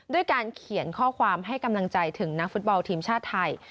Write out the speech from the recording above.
ด้วยการเขียนข้อความให้กำลังใจถึงนักฟุตบอลทีมชาติไทย